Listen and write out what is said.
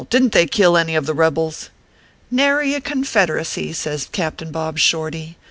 " didn t they kill any of the rebels ?"" Nary a Confederacy/ says Captain Bob Shorty.